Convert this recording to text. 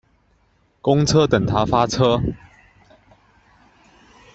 公车等他发车